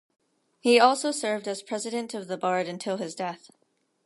He also served as president of the Board until his death.